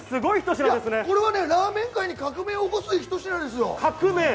これはラーメン界に革命を起こすひと品ですよ。